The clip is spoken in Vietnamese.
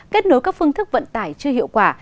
kết nối các phương thức vận tải chưa hiệu quả